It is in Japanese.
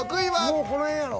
もうこの辺やろ。